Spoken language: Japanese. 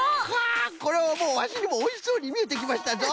これはもうワシにもおいしそうにみえてきましたぞ。